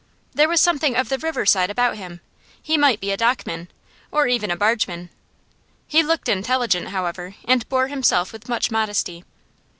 There was something of the riverside about him; he might be a dockman, or even a bargeman. He looked intelligent, however, and bore himself with much modesty.